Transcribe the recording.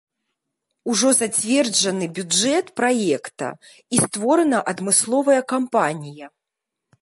Ужо зацверджаны бюджэт праекта і створана адмысловая кампанія.